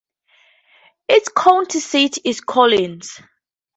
Its county seat is Collins.